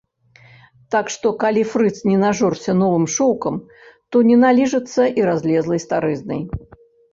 Так што, калі фрыц не нажорся новым шоўкам, то не наліжацца і разлезлай старызнай.